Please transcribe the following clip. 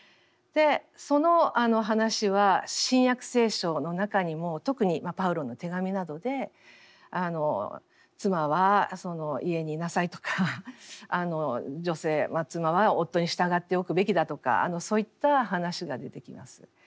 その話は「新約聖書」の中にも特にパウロの手紙などで妻は家にいなさいとか女性妻は夫に従っておくべきだとかそういった話が出てきます。